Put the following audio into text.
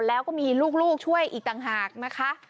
แล้วก็มีลูกช่วยอีกต่างหากนะคะ